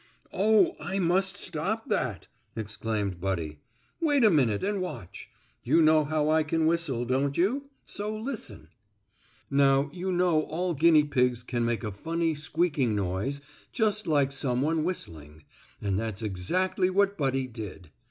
"Oh, I must stop that!" exclaimed Buddy. "Wait a minute and watch. You know how I can whistle, don't you? so listen." Now, you know all guinea pigs can make a funny, squeaking noise just like some one whistling, and that's exactly what Buddy did.